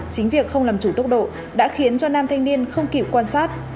chính việc không làm chủ tốc độ đã khiến cho nam thanh niên không kịp quan sát